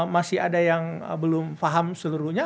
masih ada yang belum paham seluruhnya